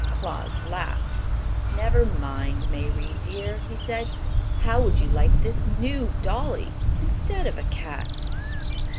Claus laughed. "Never mind, Mayrie dear," he said. "How would you like this new dolly, instead of a cat?"